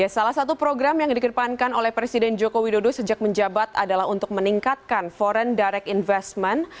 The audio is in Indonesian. salah satu program yang dikedepankan oleh presiden joko widodo sejak menjabat adalah untuk meningkatkan foreign direct investment